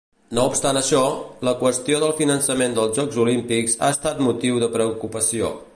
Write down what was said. No obstant això, la qüestió del finançament dels Jocs Olímpics ha estat motiu de preocupació.